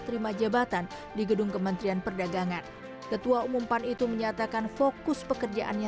terima jabatan di gedung kementerian perdagangan ketua umum pan itu menyatakan fokus pekerjaannya